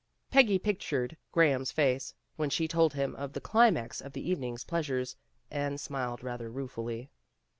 Peggy pictured Graham's face when she told him of the climax of the evening's pleasures, and smiled rather ruefully.